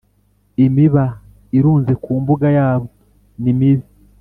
imiba irunze ku mbuga yabo ni mibi